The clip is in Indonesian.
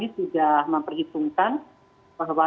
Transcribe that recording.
kita sudah memperhitungkan bahwa